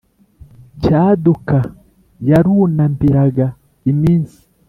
cyaduka yarunambiraga iminsi